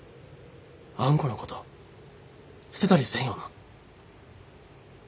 あんこのこと捨てたりせんよな？